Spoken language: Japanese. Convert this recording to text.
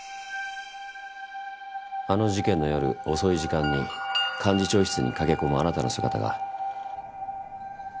あの事件の夜遅い時間に幹事長室に駆け込むあなたの姿が。